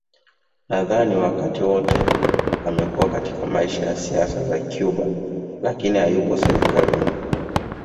Nadhani wakati wote amekuwa katika maisha ya siasa za Cuba lakini hayupo serikalini